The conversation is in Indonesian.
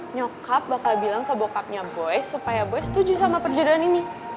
nyokap bakal bilang ke bokapnya boy supaya boy setuju sama perjalanan ini